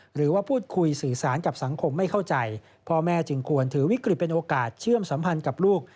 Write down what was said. หรือว่าพูดคุยสื่อสารกับสังคมไม่เข้าใจพ่อแม่จึงควรถือวิกฤตเป็นโอกาสเชื่อมสัมพันธ์กับลูก